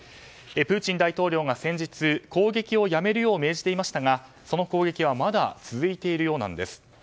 プーチン大統領が先日攻撃をやめるよう命じていましたが、その攻撃はまだ続いているようなんです。